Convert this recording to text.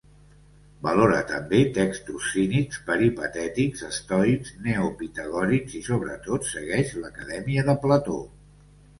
Valora també textos cínics, peripatètics, estoics, neopitagòrics i sobretot segueix l'Acadèmia de Plató.